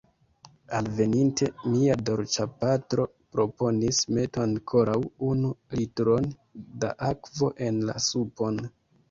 Alveninte, mia Dolĉapatro proponis: metu ankoraŭ unu litron da akvo en la supon.